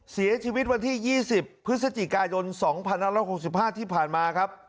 เสียชีวิตวันที่๒๐พฤศจิกายน๒๑๖๕ที่ผ่านมาครับ